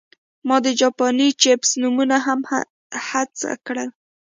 ما د جاپاني چپس نومونه هم هڅه کړل